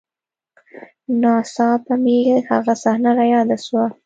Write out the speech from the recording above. نا څاپه مې هغه صحنه راياده سوه.